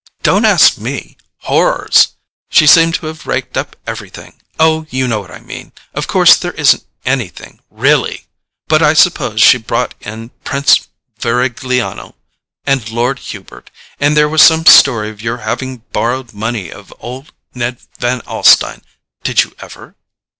"Don't ask me—horrors! She seemed to have raked up everything. Oh, you know what I mean—of course there isn't anything, REALLY; but I suppose she brought in Prince Varigliano—and Lord Hubert—and there was some story of your having borrowed money of old Ned Van Alstyne: did you ever?"